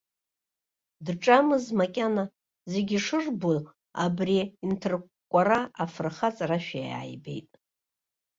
Дҿамыз макьана, зегьы ишырбо абри анҭыркәкәара фырхаҵарашәа иааибеит.